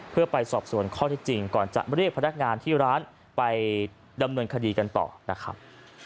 เพื่อไปสอบส่วนข้อที่จริงก่อนจะเรียกพนักงานที่ร้านไปดำเนินคดีกันต่อนะครับ